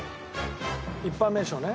一般名称ね？